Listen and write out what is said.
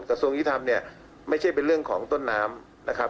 กระทรวงยุทธรรมเนี่ยไม่ใช่เป็นเรื่องของต้นน้ำนะครับ